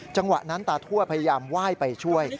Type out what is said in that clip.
จังหวะนั้นตาทั่วพยายามไหว้ไปช่วย